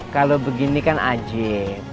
kalau begini kan ajib